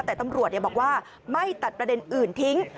แต่ตำรวจบอกว่าไม่ตัดประเด็นอื่นทิ้ง